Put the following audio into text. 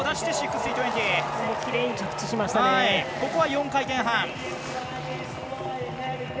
ここは４回転半。